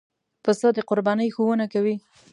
پسه د قربانۍ ښوونه کوي.